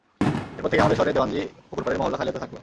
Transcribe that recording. এরপর থেকে আমাদের নগরের দেওয়ানজী পুকুর পাড়ের মহল্লা খালি হতে থাকল।